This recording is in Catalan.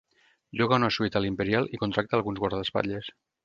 Lloga una suite a l'Imperial i contracta alguns guardaespatlles.